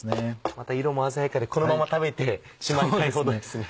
また色も鮮やかでこのまま食べてしまいたいほどですね。